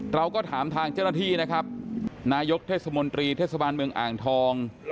เราก็ถามทางเจ้าหน้าที่นะครับนายกเทศมนตรีเทศบาลเมืองอ่างทอง